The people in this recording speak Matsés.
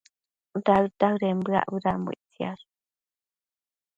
daëd-daëden bëac bedambo ictsiash